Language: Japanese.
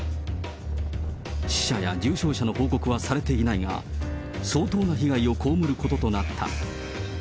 死者や重傷者の報告はされていないが、相当な被害を被ることとなった。